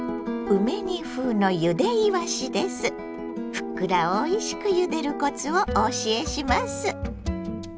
ふっくらおいしくゆでるコツをお教えします。